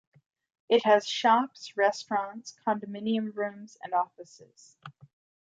It has shops, restaurants, condominium rooms, and offices.